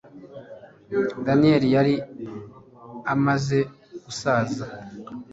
Daniyeli yari amaze gusaza.